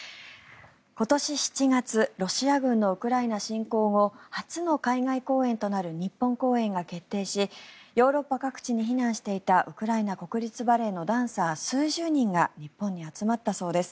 今年７月ロシア軍のウクライナ侵攻後初の海外公演となる日本公演が決定しヨーロッパ各地に避難していたウクライナ国立バレエのダンサー数十人が日本に集まったそうです。